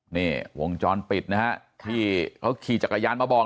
นี่วงจรปิดนะฮะที่เขาขี่จักรยานมาบอก